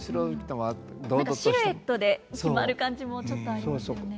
何かシルエットで決まる感じもちょっとありますよね。